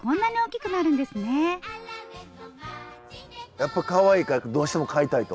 やっぱかわいいからどうしても飼いたいと？